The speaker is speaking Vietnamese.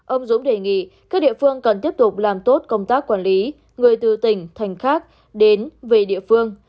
ông dũng đề nghị các địa phương cần tiếp tục làm tốt công tác quản lý người từ tỉnh thành khác đến về địa phương